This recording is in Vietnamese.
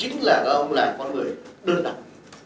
rất khó được